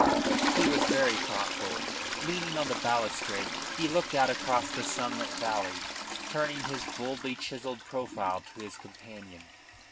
He was very thoughtful. Leaning on the balustrade, he looked out across the sunlit valley, turning his boldly chiselled profile to his companion.